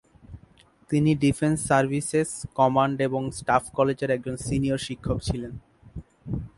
তিনি defence services command এবং staff কলেজের একজন সিনিয়র শিক্ষক ছিলেন।